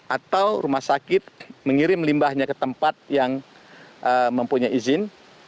atau rumah sakit mengirim limbahnya ke tempat yang mempunyai izin